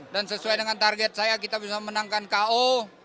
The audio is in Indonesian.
dan sesuai dengan target saya kita bisa menangkan k o